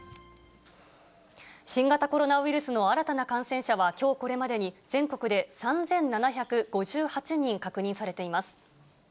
新型コロナウイルスの新たな感染者はきょうこれまでに、全国で３７５８人確認されています。